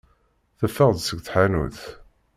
Teffeɣ-d seg tḥanut.